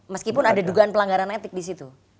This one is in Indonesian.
meskipun ada dugaan pelanggaran etik disitu